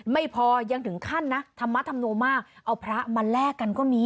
ไม่พอยังถึงขั้นนะธรรมนูมากเอาพระมาแลกกันก็มี